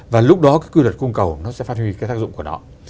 và lúc đó cái quy luật cung cầu nó sẽ phát huy cái tác dụng của nó